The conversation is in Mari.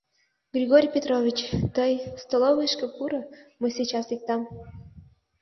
— Григорий Петрович, тый: столовыйышко пуро, мый сейчас лектам.